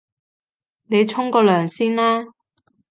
你沖個涼先啦